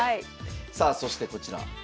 さあそしてこちら。